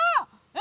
え！？